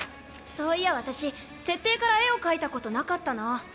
そういや私、設定から絵を描いたことなかったな。